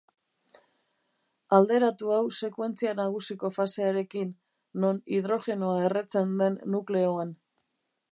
Alderatu hau sekuentzia nagusiko fasearekin, non hidrogenoa erretzen den nukleoan.